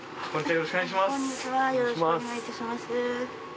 よろしくお願いします。